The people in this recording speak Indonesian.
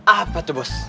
apa tuh bos